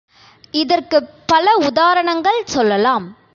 இதற்குப் பல உதாரணங்கள் சொல்லலாம்.